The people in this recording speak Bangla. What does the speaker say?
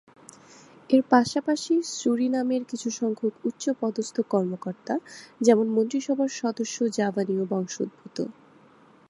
এর পাশাপাশি সুরিনামের কিছুসংখ্যক উচ্চপদস্থ কর্মকর্তা, যেমন: মন্ত্রিসভার সদস্য জাভানীয় বংশোদ্ভূত।